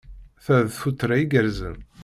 Ta d tuttra igerrzen.